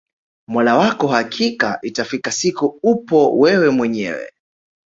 mola wako hakika itafika siku upo wewe mwenyewe